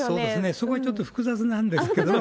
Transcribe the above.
そこ、ちょっと複雑なんですけれども。